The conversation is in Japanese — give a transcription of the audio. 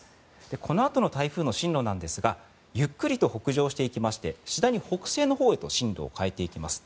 このあとの台風の進路なんですがゆっくりと北上していきまして次第に北西のほうへと進路を変えていきます。